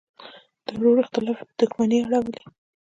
د ورور اختلاف یې په دوښمنۍ اړولی.